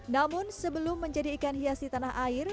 namun sebelum menjadi ikan hias di tanah air